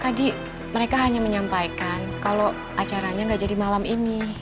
tadi mereka hanya menyampaikan kalau acaranya nggak jadi malam ini